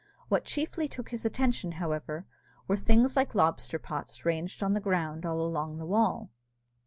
What chiefly took his attention, however, were things like lobster pots ranged on the ground along the wall.